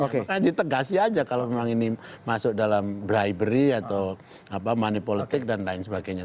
makanya ditegasi aja kalau memang ini masuk dalam bribery atau money politic dan lain sebagainya